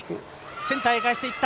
センターへ返していった。